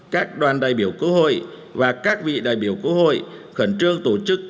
các đoàn đại biểu quốc hội và các vị đại biểu quốc hội khẩn trương tổ chức